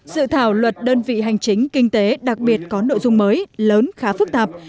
dự thảo luật đơn vị hành chính kinh tế đặc biệt có nội dung mới lớn khá phức tạp